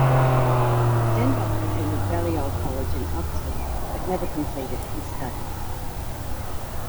Stenbock attended Balliol College in Oxford but never completed his studies.